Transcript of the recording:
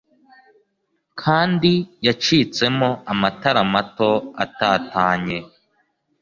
Kandi yacitsemo amatara mato atatanye